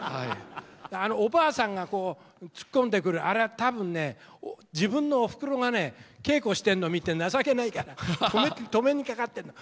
あのおばあさんが突っ込んでくるあれは多分ね自分のおふくろがね稽古してるの見て情けないから止めにかかってんだ。